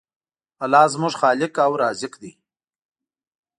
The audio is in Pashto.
الله زموږ خالق او رازق دی.